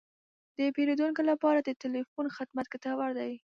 د پیرودونکو لپاره د تلیفون خدمت ګټور دی.